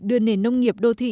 đưa nền nông nghiệp đô thị